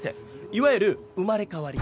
いわゆる生まれ変わり